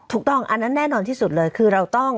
อันนั้นแน่นอนที่สุดเลยคือเราต้อง